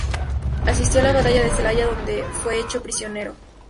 Asistió a la batalla de Celaya donde fue hecho prisionero.